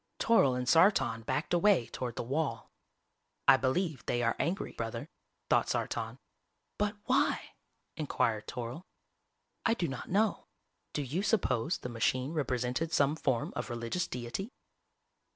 Toryl and Sartan backed away toward the wall. "I believe they are angry, Brother," thought Sartan. "But why?" inquired Toryl. "_I do not know. Do you suppose the machine represented some form of religious deity?